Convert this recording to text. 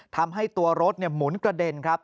ทำให้ตัวรถหมุนกระเด็นครับ